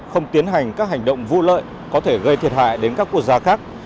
không tiến hành các hành động vô lợi có thể gây thiệt hại đến các quốc gia khác